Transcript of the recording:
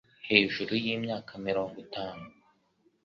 hejuru y'imyaka mirongo itanu